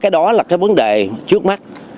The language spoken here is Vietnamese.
cái đó là cái vấn đề trước mắt